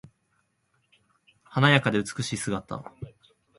華やかで美しい姿。